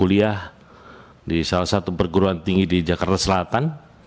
kuliah di salah satu perguruan tinggi di jakarta selatan